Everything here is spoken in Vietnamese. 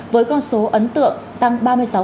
với con số ấn tượng tăng ba mươi sáu